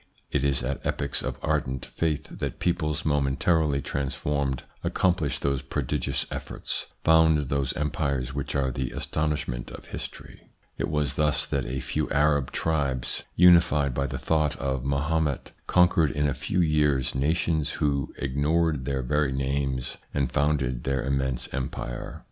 It is at epochs of ardent faith that peoples, momentarily transformed, accomplish those prodigious efforts, found those empires which are the astonishment of history. It was thus that a few Arab tribes, unified by the thought of Mahomet, conquered in a few years nations who ignored their very names, and founded their immense empire.